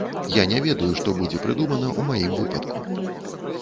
Я не ведаю, што будзе прыдумана ў маім выпадку.